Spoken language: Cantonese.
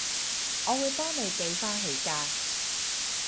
我會幫你記返起㗎